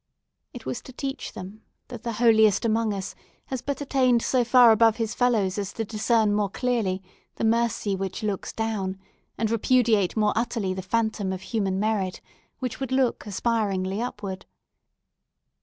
It was to teach them, that the holiest amongst us has but attained so far above his fellows as to discern more clearly the Mercy which looks down, and repudiate more utterly the phantom of human merit, which would look aspiringly upward.